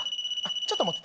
ちょっと持ってて。